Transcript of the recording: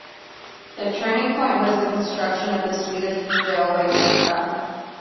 The turning point was the construction of the Swedish railway system.